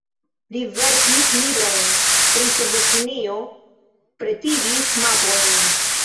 Li verkis libron pri Sovetunio, pretigis mapojn.